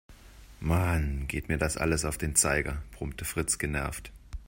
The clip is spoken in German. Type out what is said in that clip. Mann, geht mir das alles auf den Zeiger, brummte Fritz genervt.